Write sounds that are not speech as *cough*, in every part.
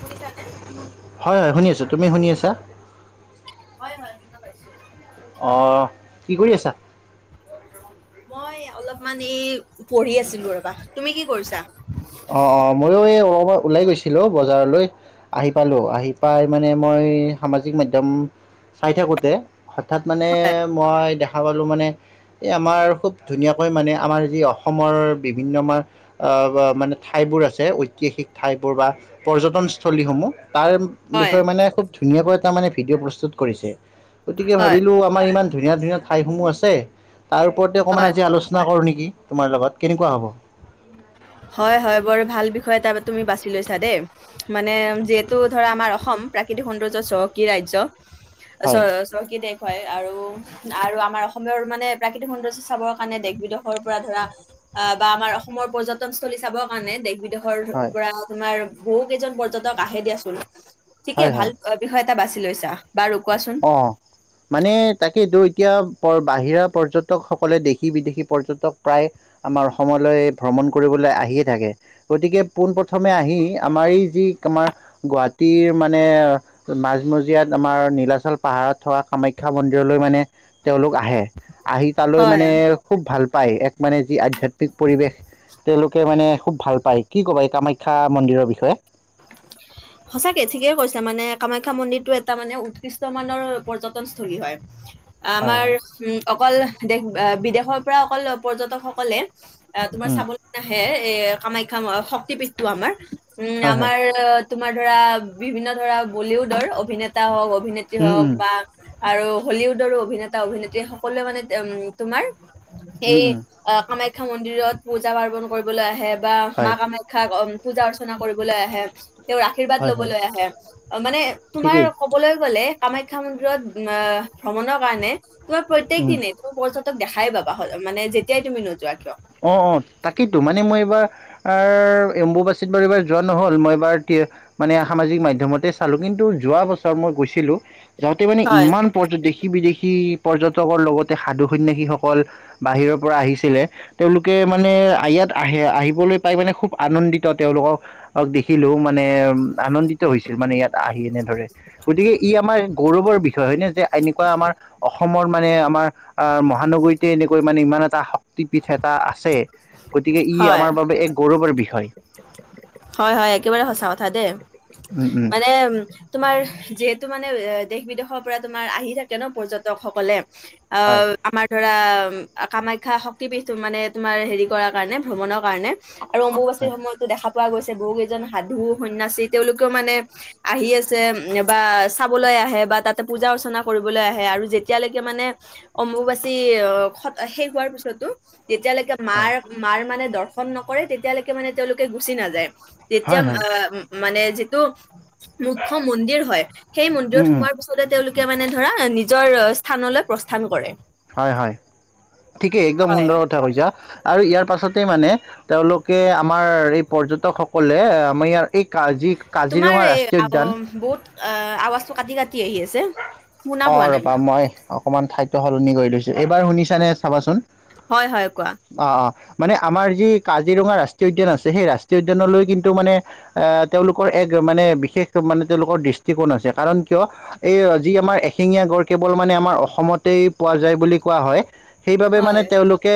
শুনিছানে? হয় হয় শুনি আছোঁ। তুমি শুনি আছা হয় হয়। শুনা পাইছোঁ। অ কি কৰি আছা? মই অলপমান এই পঢ়ি আছিলো ৰবা। তুমি কি কৰিছা? অ অ মইও এই অলপমান ওলাই গৈছিলো বজাৰলৈ। আহি পালোঁ। আহি পাই মানে মই এহ সামাজিক মাধ্যম চাই থাকোতে হঠাৎ মানে মই দেখা পালোঁ মানে এই আমাৰ খুব ধুনীয়াকৈ মানে আমাৰ যি অসমৰ বিভিন্ন আমাৰ আহ মানে ঠাইবোৰ আছে। ঐতিহাসিক ঠাইবোৰ বা পৰ্যটনস্থলীসমূহ তাৰ হয় বিষয়ে মানে খুব ধুনীয়াকৈ এটা মানে ভিডিঅ' প্ৰস্তুত কৰিছে। গতিকে হয় ভাবিলো আমাৰ ইমান ধুনীয়া ধুনীয়া ঠাইসমূহ আছে। তাৰ ওপৰতে অকণমান হয় আজি আলোচনা কৰোঁ নেকি তোমাৰ লগত কেনেকুৱা হ'ব। হয় হয়। বৰ ভাল বিষয় তাৰ তুমি বাছি লৈছা দেই। মানে যিহেতু ধৰা আমাৰ অসম প্ৰাকৃতিক সৌন্দৰ্য চহকী ৰাজ্য অ হয়, চহকী দেশ হয় আৰু আৰু আমাৰ অসমৰ মানে প্ৰাকৃতিক সৌন্দৰ্য চাবৰ কাৰণে দেশ বিদেশৰ পৰা ধৰা। আহ, বা আমাৰ অসমৰ পৰ্যন পৰ্যটনস্থলী চাবৰ কাৰণে দেশ বিদেশৰ হয়, পৰা তোমাৰ বহু কেইজন পৰ্যটক আহে দিয়া চোন। ঠিকে হয়, হয়। ভাল বিষয় এটা বাছি লৈছা বাৰু কোৱাচোন। অহ। মানে তাকেইতো এতিয়া প বাহিৰা পৰ্যটকসকলে দেশী বিদেশী পৰ্যটক প্ৰায় আমাৰ অসমলৈ ভ্ৰমণ কৰিবলৈ আহিয়ে থাকে। গতিকে পোন প্ৰথমে আহি আমাৰ এই যি আমাৰ গুৱাহাটীৰ মানে মাজমজিয়াত আমাৰ নীলাচল চল পাহাৰত থকা কামাখ্যা মন্দিৰলৈ মানে তেওঁলোক আহে। আহি তালৈ হয় মানে খুব ভাল পায়। এক মানে যি আধ্যাত্মিক পৰিৱেশ তেওঁলোকে মানে খুব ভাল পায়। কি কবা এই কামাখ্যা মন্দিৰৰ বিষয়ে। সঁচাকে ঠিকেই কৈছে মানে কামাখ্যা মন্দিৰটো এটা মানে উৎকৃষ্ট মানৰ পৰ্যটন স্থলী হয়। হয় আমাৰ হয় উম, অকল দেশ বিদেশৰ পৰা অকল পৰ্যটকসকলে এহ তোমাৰ উম চাবলৈ নাহে এহ কামাখ্যা শক্তি পীষ্ঠ আমাৰ উ হয় হয় তোমাৰ তোমাৰ ধৰা বিভিন্ন ধৰা বলিউডৰ অভিনেতা হওক অভিনেত্ৰী উম হওক উম বা আৰু হলিউডৰো অভিনেতা অভিনেত্ৰী সকলোৱ মানে উ তোমাৰ উম এই উম কামাখ্যা মন্দিৰত পূজা পাৰ্বন কৰিবলৈ আহে বা হয় মা কামাখ্যা পূজা অৰ্চনা কৰিব কৰিবলে আহে, তেওঁৰ আৰ্শীবাদ হয় হয় লবলৈ আহে অ মানে তোমাৰ ঠিকেই কবলৈ গলে কামাখ্যা মন্দিৰত ভ্ৰমণৰ কাৰণে তোমাৰ প্ৰত্যয়েক উম, দিনে তহ পৰ্যটক দেখাই পাবা হলে মানে যেতিয়াই তুমি নোযোৱা কিয় অহ অহ, তাকেইতো মানে মই এইবাৰ আৰু এম্বুবাচিত বাৰু এইবাৰ যোৱা নহল মই এবাৰ মানে সামাজিক মাধ্যমতে চালোঁ। কিন্তু যোৱা বছৰ মই গৈছিলোঁ। হেতি মানে হয় ইমান পৰ্যদেশী, দেশী বিদেশী পৰ্যটকৰ লগতে সাধু সন্যাসীসকল বাহিৰৰ পৰা আহিছিলে তেওঁলোকে মানে ইয়াত আহে আহিবলৈ পাই মানে খুব আনন্দিত তেওঁলোকো অক, দেখিলেও মানে আনন্দিত হৈছিল মানে ইয়াত আহি এনেদৰে। গতিকে ই আমাৰ গৌৰৱৰ বিষয় হয় নে যে এনেকুৱা আমাৰ অস অসমৰ মানে আমাৰ আহ মহানগৰীতে এনেকৈ মানে ইমান এটা শক্তিপীঠ এ এটা আছে গতিকে ই হয় আমাৰ বাবে এক গৌৰৱৰ বিষয়। হয়- হয় একেবাৰে সঁচা কথা দেই মানে উম তোমাৰ যিহেতু মানে দেশ -বিদেশৰ পৰা তোমাৰ আহি থাকে ন'পৰ্যটক সকলে অ, হয়, আমাৰ ধৰা কামাখ্যা শক শক্তিপিঠ মানে তোমাৰ হেৰি কৰাৰ কাৰণে ভ্ৰমণৰ কাৰণে অম্বুবচীৰ হয়, সময়তো দেখা পোৱা গৈছে বহুকেইজন সাধু - সন্যাচী তেওঁলোকেও মানে আহি আছে বা চাবলৈ আহে বা তাতে পূজা অৰ্চনা কৰিবলৈ আহে আৰু যেতিয়ালৈকে মানে অম্বুবাচী অহ, খত শেষ হোৱাৰ পিছত টো যেতিয়ালৈকে হয়, মাৰ -মাৰ মানে দৰ্শন নকৰে তেতিয়ালৈকে মানে তেওঁলোকে গুচি নাযায়। যেতিয়া হয়, হয়, মানে যিটো মূখ্য মন্দিৰ হয় সেই মন্দিৰত উম, উম, সোমোৱাৰ পিছত তোলে তেওঁলোকে মানে ধৰা নিজৰ স্থানলৈ প্ৰস্থান কৰে। হয় -হয় ঠিকেই একদম হয় সুন্দৰ কথা কৈছা আৰু ইয়াৰ পাছতে মানে তেওঁলোকে আমাৰ এই পৰ্যটকসকলে আমাৰ ইয়াৰ এই কাজিক তোমাৰ এই আৱ বহুত আৱাজটো কাটি -কাটি আহি আছে। শুনা অ, পোৱা নাই ৰবা মই অকমান ঠাইটো সলনি কৰি লৈছো এইবাৰ শুনিছা নে চাবাচোন? হয় -হয় কোৱা? অ', অ', মানে আমাৰ যি কাজিৰঙা ৰাষ্ট্ৰীয় উদ্যান আছে সেই ৰাষ্ট্ৰীয় উদ্যানলৈ কিন্তু মানে এ তেওঁলোকৰ এক মানে বিশেষ মানে তেওঁলোকৰ দৃষ্টিকোণ আছে কাৰণ কিয় এই যি আমাৰ এশিঙীয়া গড় কেৱল মানে আমাৰ অসমতেই পোৱা যায় বুলি কোৱা হয় সেইবাবে মানে হয় তেওঁলোকে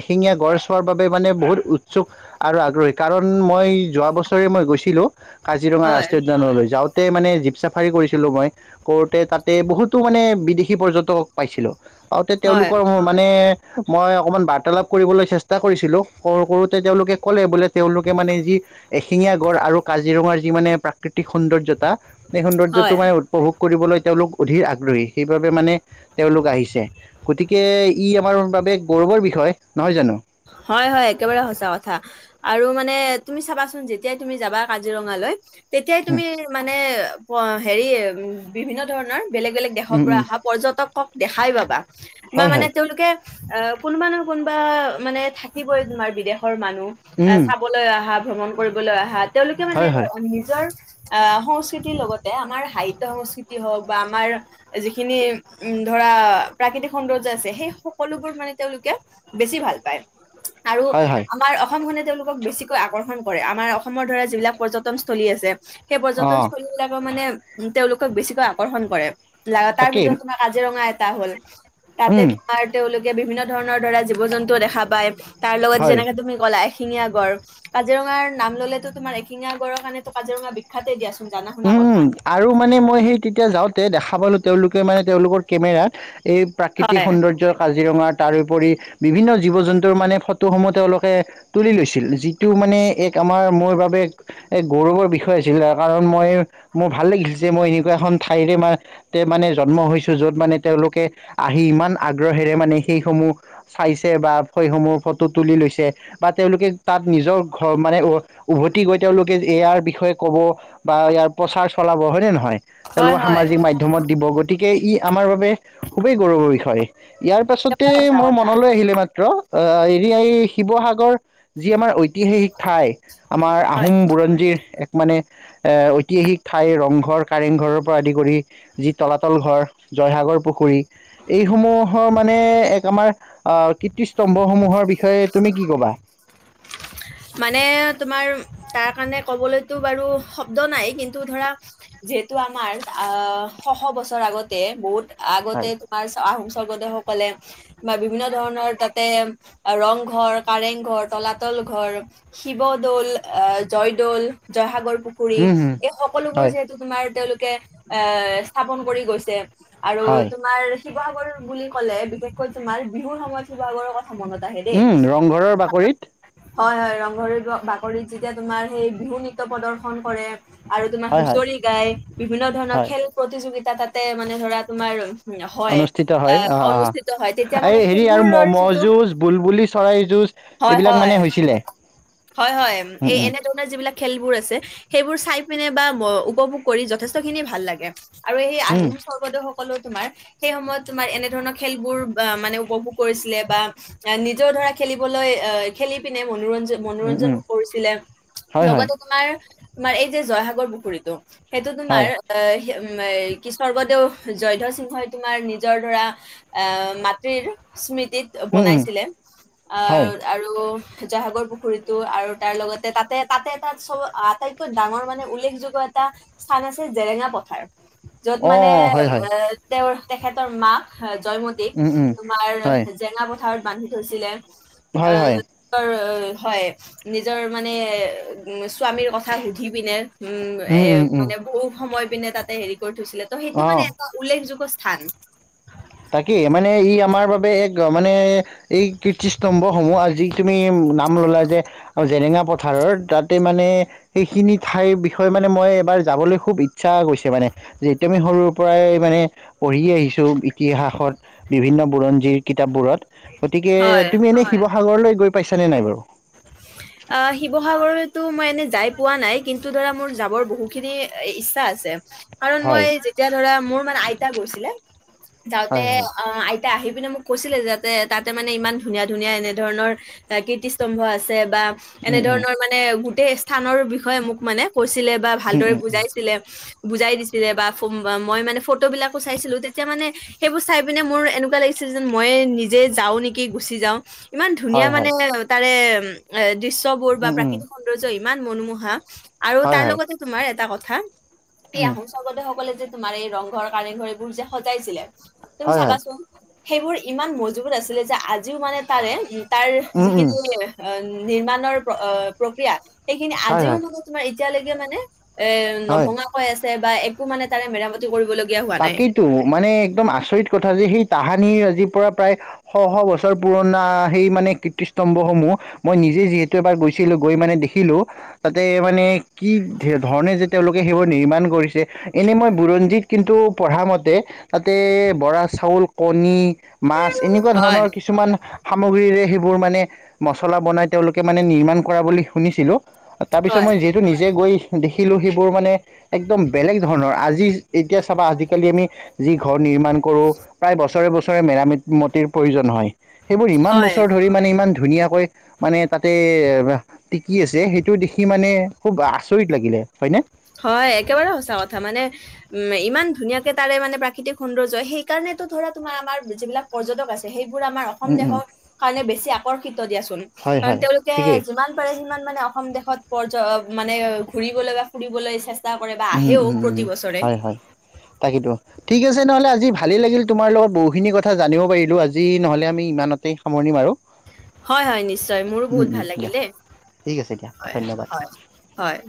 এশিঙীয়া গড় চোৱাৰ বাবে মানে বহুত উৎসুক আৰু আগ্ৰহী কাৰণ মই যোৱা বছৰে মই গৈছিলোঁ কাজিৰঙা হয় ৰাষ্ট্ৰীয় উদ্যানলৈ যাওঁতে মানে জীপ চাফাৰী কৰিছিলোঁ মই কৰোঁতে তাতে বহুতো মানে বিদেশী পৰ্যটকক পাইছিলোঁ পাওঁতে হয় তেওঁলোকৰ মানে মই অকমান বাৰ্তালাপ কৰিবলৈ চেষ্টা কৰিছিলোঁ কৰো কৰোঁতে তেওঁলোকে ক'লে বোলে তেওঁলোকে মানে যি এশিঙীয়া গড় আৰু কাজিৰঙাৰ যি মানে প্ৰাকৃতিক সৌন্দৰ্যতা এই সৌন্দৰ্যটো হয় মানে উপভোগ কৰিবলৈ তেওঁলোক অধিৰ আগ্ৰহী সেইবাবে মানে তেওঁলোক আহিছে। গতিকে ই আমাৰ বাবে গৌৰৱৰ বিষয় নহয় জানো? হয় -হয় একেবাৰে সঁচা কথা। আৰু মানে তুমি চাবাচোন যেতিয়াই তুমি যাবা কাজিৰঙালৈ তেতিয়াই উম, তুমি মানে হেৰি উম, বিভিন্ন ধৰণৰ বেলেগ- বেলেগ দেশৰ উম, পৰা উম, আহা পৰ্য্যটকক দেখাই পাবা বা হয় মানে হয় তেওঁলোকে অ, কোনবা নহ কোনবা মানে থাকিবই তোমাৰ বিদেশৰ মানুহ আহ, উম, চাবলৈ আহা ভ্ৰমণ কৰিবলৈ আহা তেওঁলোকে হয় মানে হয় ধৰ *unintelligible* নিজৰ আহ, সংস্কৃতিৰ লগতে আমাৰ সাহিত্য সংস্কৃতি হওঁক বা আমাৰ যিখিনি উম, ধৰা প্ৰাকৃতিক সৌন্দৰ্য আছে সেই সকলোবোৰ মানে তেওঁলোকে বেছি ভাল পায় আৰু হয় হয় আমাৰ অসমখনে তেওঁলোকক বেছি কৈ আকৰ্ষণ কৰে আমাৰ অসমৰ ধৰা যিবিলাক পৰ্যটনস্থলী আছে সেই অঁ পৰ্যটনস্থলী বিলাকো মানে উম, তেওঁলোকক বেছিকৈ আকৰ্ষণ কৰে তাৰ তাকেই ভিতৰত তোমাৰ কাজিৰঙা এটা হ'ল তাতে উম, তোমাৰ তেওঁলোকে বিভিন্ন ধৰণৰ ধৰা জীৱ -জন্তুও দেখা পায় তাৰ লগত হয় যেনেকা তুমি ক'লাই এশিঙীয়া গড় কাজিৰঙাৰ নাম ল'লেতো তোমাৰ এশিঙীয়া গড়ৰ কাৰণেটো কাজিৰঙা বি বিখ্যাতে দিয়াচোন জানা শুনা কথা। উম আৰু মানে মই সেই তেতিয়া যাওঁতে দেখা পালোঁ তেওঁলোকে মানে তেওঁলোকৰ কেমেৰাত এই প্ৰাকৃতিক হয় সৌন্দৰ্য কাজিৰঙা তাৰোপৰি বিভিন্ন জীৱ -জন্তুৰ মানে ফটোসমূহ তেওঁলোকে তুলি লৈছিল যিটো মানে এক আমাৰ মোৰ বাবে এক গৌৰৱৰ বিষয় আছিল *unintelligible* কাৰ মই, মোৰ ভাল লাগিছিল যে, মই এনেকুৱা এখন ঠাইৰে ম তে মানে জন্ম হৈছো, যত মানে তেওঁলোকে আহি ইমান আগ্ৰহেৰে মানে সেইসমূহ চাইছে বা সেইসমূহ ফটো তুলি লৈছে, বা তেওঁলোকে তাত নিজৰ ঘৰ মানে, উভতি গৈ তেওঁলোকে এয়াৰ বিষয়ে কব, বা ইয়াৰ প্ৰচাৰ চলাব হয়নে নহয়? হয় তেওঁলোক হয় সামাজিক মাধ্যমত দিবগৈ, গতিকে ই আমাৰ বাবে খুবেই গৌৰৱৰ বিষয়। ইয়াৰ পাছতে একেবাৰে সঁচা মোৰ কথা মনলৈ আহিলে এই মাত্ৰ, অ এৰিয়া এই শিৱসাগৰ যি আমাৰ ঐতিহাসিক ঠাই, আমাৰ হয় আহোম বুৰঞ্জীৰ এক মানে ঐতিহাসিক ঠাই ৰংঘৰ, কাৰেংঘৰৰ পৰা আদি কৰি যি তলাতল ঘৰ, জয়সাগৰ পুখুৰী, এই সমূহৰ মানে এক আমাৰ আঁ কীৰ্তিস্তম্ভসমূহৰ বিষয়ে তুমি কি ক'বা? মানে তোমাৰ তাৰ কাৰণে কবলৈতো বাৰু শব্দ নাই, কিন্তু ধৰা, যিহেতু আমাৰ আহ শ'শ বছৰ আগতে, বহুত হয় আগতে মাৰ্চ আহোম স্বৰ্গদেউসকলে, বা বিভিন্ন ধৰণৰ তাতে ৰং ঘৰ, কাৰেং ঘৰ, তলাতল ঘৰ, শিৱদৌ'ল, আহ জয়দৌ'ল, জয়সাগৰ পুখুৰী উম হম এই সকলোবোৰ হয় যিহেত তো তোমাৰ তেওঁলোকে এ স্থাপন কৰি গৈছে, আৰু হয় তোমাৰ শিৱসাগৰ বুলি ক'লে, বিশেষকৈ তোমাৰ বিহুৰ সময়ত শিৱসাগৰৰ কথ মনত আহে। উম'‌ দেই ৰংঘৰৰ বাকৰিত। হয় হয়, ৰংঘৰৰ বাকৰিত যেতিয়া তোমাৰ সেই বিহু নৃত্য প্ৰদৰ্শন কৰে, আৰু তোমাৰ হয় হয় হুচৰি গাই, বিভিন্ন ধৰণৰ হয় খেল প্ৰতিযোগিতা তাতে মানে ধৰা তোমাৰ হয় অনুষ্ঠিত হয় আহ অঁ, অনুষ্ঠিত হয় তেতিয়া অ মানে এই হেৰি আৰু সেইবোৰৰ ম'ম'হ যিটো যুঁজ, বুলবুলি চৰাই যুঁজ, হয় এইবিলাক মানে হয় হৈছিলে। হয় হয়। উম এ উম এনে যিবিলাক খেলবোৰ আছে, সেইবোৰ চাই পিনে বা উপভোগ কৰি যথেষ্ট খিনি ভাল লাগে, আৰু এই আহু উম স্বৰ্গদেউ সকলেও তোমাৰ, সেই সময়ত তোমাৰ এনে ধৰণৰ খেলবোৰ ব মানে উপভোগ কৰিছিলে বা এ নিজৰ ধৰা খেলিবলৈ আহ খেলি পিনে, মনোৰঞ্জন উম মনোৰঞ্জন উম কৰিছিলে, হয় হয় লগতে তোমাৰ তোমাৰ এই যে জয়সাগৰ পুখুৰীতটো, সেইটো হয় তোমাৰ আহ কি স্বৰ্গদেউ জয়ধ্বজ সিংহই তোমাৰ নিজৰ ধৰা এ মাতৃৰ স্মৃতিত উম উম বনাইছিলে। হয় অ' আৰু জয়হাগৰ পু পুখুৰীতটো আৰু তাৰ লগতে তাতে তাতে এটা চব, আটাইতকৈ ডাঙৰ মানে উল্লেখযোগ্য এটা স্থান আছে জেৰেঙা পথাৰ। য'ত অ মানে হয় হয় এ তেওঁৰ তেখেতৰ মাক' জয়মতীক উম উম হয় তোমাৰ'জেৰাঙা পথাৰত বান্ধি থৈছিলে। হয় হয় আহ হয় নিজৰ মানে উ স্বামীৰ কথা সুধি পিনে' উম এ উম উম মানে বহুত সময় পিনে তাতে হেৰি কৰি থৈছিলে ত' সেইটো অ মানে এটা উল্লেখযোগ্য স্থান। তাকেই, মানে ই আমাৰ বাবে এক মানে এই কীৰ্ত্তিস্তম্ভসমূহ আজি তুমি নাম ল'লা যে, আৰু জেৰেঙা পথাৰৰ তাতে মানে সেইখিনি ঠাইৰ বিষয়ে মানে মই এবাৰ যাবলৈ খুব ইচ্ছা গৈছে মানে, যেতিয়া আমি সৰুৰ পৰাই মানে পঢ়ি আহিছো, ইতিহাসত, বিভিন্ন বুৰঞ্জীৰ কিতাপবোৰত গতিকে, হয়। তুমি এনে শিৱ সাগৰলৈ গৈ পাইছা নে নাই বাৰু? আহ শিৱসাগতো মই এনেই যাই পোৱা নাই। কিন্তু' ধৰা মোৰ যাবৰ বহুখিনি ইচ্ছা আছে, কাৰণ মই হয় যেতিয়া ধৰা মোৰ মানে আইতা গৈছিলে, যাওঁতে হয় হয় অ আই তাৰ, আহি পিনে মোক কৈছিলে যাতে তাতে মানে ইমান ধুনীয়া ধুনীয়া এনে ধৰণৰ কীৰ্তিস্তম্ভ আছ বা এনে উম উম ধৰণৰ মানে গোটেই স্থানৰ বিষয়ে মোক মানে কৈছিলে। বা উম ভালদৰে উম উম বুজাইছিলে বুজাই দিছিলে বা মই মানে ফটো বিলাকো চাইছিলো তেতিয়া মানে- সেইবোৰ চাই পিনে মোৰ এনেকুৱা লাগিছিল যেন মই নিজে যাওঁ নেকি গুচি যাওঁ। ইমান ধুনীয়া হয় মানে হয় তাৰে এ দৃশ্য বোৰ বা উম উম প্ৰাকৃতিক- ইমান মনোমোহা আৰু হয় তাৰ হয় লগতে তোমাৰ এটা কথা এ উম আহোম - জগত সকলে যে তোমাৰ এই ৰংঘৰ কাৰেংঘৰ এইবোৰ যে সজাইছিলে, তুমি হয় হয় চাবাচোন। সেইবোৰ ইমান মজবুত আছিলে যে, আজিও মানে তাৰে উ তাৰ উম উম যিখিনি। নিৰ্মামানৰ প্ৰক্ৰিয়া সেইখিনি হয় আজিও হয় মানে তোমাৰ এতিয়ালৈকে মানে- এ হয় নভঙা কৈ আছে বা একো মানে তাৰে মেৰামতি কৰিবলগীয়া হয়। তাকেইেতো মানে একদম আচৰিত কথা যে সেই তাহানিৰ আজিৰ পৰা প্ৰায়- শ শ বছৰ পুৰণা সেই মানে কীৰ্তিস্তম্ভসমূহ- মই নিজে যিহেতু এবাৰ গৈছিলো গৈ মানে দেখিলো তাতে মানে- কি ধৰণে যে তেওঁলোকে সেইবোৰ নিৰ্মাণ কৰিছে, এনেই মই বুৰঞ্জীক- কিন্তু পঢ়া মতে তাতে বৰা চাউল, কণী- মাছ এনেকুৱা হয়, ধৰণৰ কিছুমান- সামগ্ৰীৰে সেইবোৰ মানে মছলা বনাই তেওঁলোকে মানে নিৰ্মাণ কৰা বুলি শুনিছিলোঁ। তাৰ পিছত হয়, মই যিহেতু নিজে গৈ দেখিলো সেইবোৰ মানে একদম বেলেগ ধৰণৰ আজি- এতিয়া চাবা আজিকালি আমি যি ঘৰ নিৰ্মাণ কৰো প্ৰায় বছৰে বছৰে- ছৰে মেৰামেতিৰ প্ৰয়োজন হয়, সেইবোৰ ইমান হয়। বছৰ ধৰি মানে ইমান ধুনীয়াকৈ- মানে তাতে- টিকি আছে, সেইটো দেখি মানে খুব আচৰিত লাগিলে হয় ন- হয় একেবাৰে সঁচা কথা মানে- উম ইমান ধুনীয়াকে তাৰে মানে প্ৰাকৃতিক সৌন্দৰ্য সেইকাৰণেতো ধৰা তোমাৰ আমাৰ যিবিলাক- পৰ্যটক আছে সেইবোৰ আমাৰ অসম উম উম দেশৰ কাৰণে বেছি আকৰ্ষিত দিয়াচোন। হয় কাৰণ হয় তেওঁলোকে ঠিকেই যিমান পাৰে সিমান মানে অসম দেশত পৰয মানে ঘুৰিব লগা- ফুৰিবলৈ চেষ্টা কৰে বা উম আহেও উম উম প্ৰতি বছৰে- হয় হয় তাকেইতো ঠিক আছে নহ'লে আজি ভালেই লাগিল তোমাৰ লগত বহুখিনি কথা জানিব পাৰিলোঁ আজি নহ'লে আমি ইমানতে- সামৰণি মাৰো। হয় হয় নিশ্চয় মোৰো বহুত ভাল দিয়া লাগিলেই ঠিক আছে দিয়া হয় ধন্যবাদ হয় হয়।